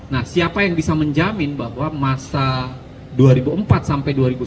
nah siapa yang bisa menjamin bahwa masa dua ribu empat sampai dua ribu sembilan belas